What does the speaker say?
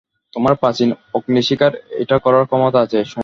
তোমার প্রাচীন অগ্নিশিখার এটা করার ক্ষমতা আছে, সোনা।